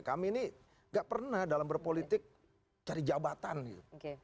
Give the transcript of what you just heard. kami ini gak pernah dalam berpolitik cari jabatan gitu